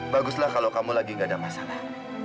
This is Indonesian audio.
baguslah kalau kamu lagi gak ada masalah